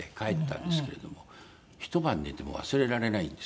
ひと晩寝ても忘れられないんですよ。